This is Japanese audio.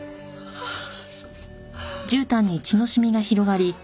ああ。